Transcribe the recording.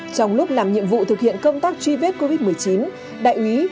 trong lúc làm nhiệm vụ thực hiện công tác truy vết covid một mươi chín